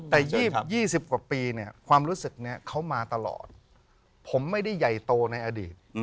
แต่๒๐กว่าปีเนี่ยความรู้สึกนี้เขามาตลอดผมไม่ได้ใหญ่โตในอดีต